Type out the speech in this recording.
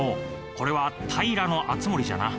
これは平敦盛じゃな。